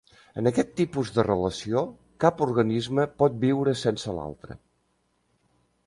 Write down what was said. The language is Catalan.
En aquest tipus de relació cap organisme pot viure sense l'altre.